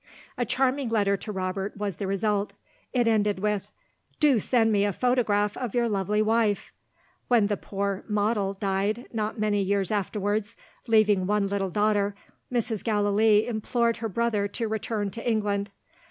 A charming letter to Robert was the result. It ended with, "Do send me a photograph of your lovely wife!" When the poor "model" died, not many years afterwards, leaving one little daughter, Mrs. Gallilee implored her brother to return to England.